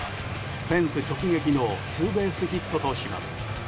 フェンス直撃のツーベースヒットとします。